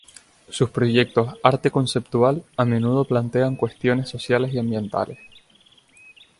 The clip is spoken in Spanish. Sus proyectos Arte conceptual a menudo plantean cuestiones sociales y ambientales.